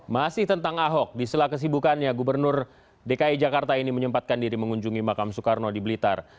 masih tentang ahok di sela kesibukannya gubernur dki jakarta ini menyempatkan diri mengunjungi makam soekarno di blitar